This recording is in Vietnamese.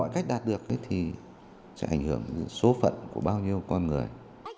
cách đạt được thì sẽ ảnh hưởng đến số phận của bao nhiêu con người